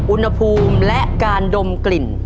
อุณหภูมิและการดมกลิ่น